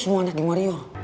semua anak geng warior